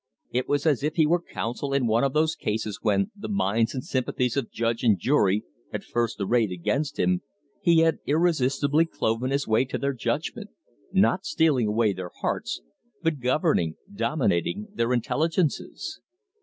It was as if he were counsel in one of those cases when, the minds and sympathies of judge and jury at first arrayed against him, he had irresistibly cloven his way to their judgment not stealing away their hearts, but governing, dominating their intelligences.